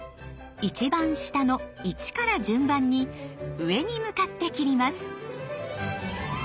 一番下の１から順番に上に向かって切ります。